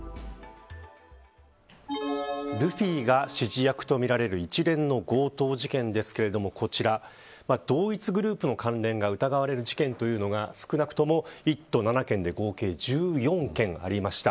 ルフィが指示役とみられる一連の強盗事件ですけれどもこちら同一グループの関連が疑われる事件というのが少なくとも１都７県で合計１４件ありました。